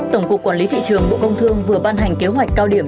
tổng cục quản lý thị trường bộ công thương vừa ban hành kế hoạch cao điểm